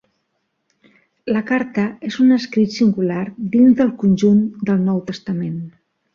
La carta és un escrit singular dins del conjunt del Nou Testament.